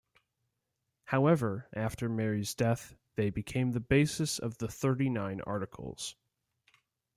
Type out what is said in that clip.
However, after Mary's death, they became the basis of the Thirty-nine Articles.